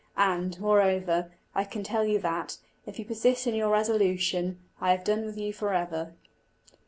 And, moreover, I can tell you that, if you persist in your resolution, I have done with you for ever."